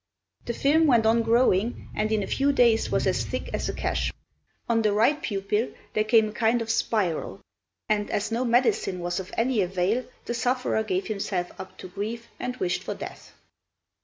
The film went on growing, and in a few days was as thick as a cash. On the right pupil there came a kind of spiral, and as no medicine was of any avail, the sufferer gave himself up to grief and wished for death.